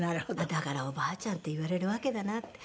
だから「おばあちゃん」って言われるわけだなって。